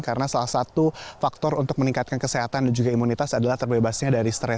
karena salah satu faktor untuk meningkatkan kesehatan dan juga imunitas adalah terbebasnya dari stres